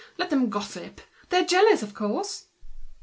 Let them gossip; they're jealous, of course!"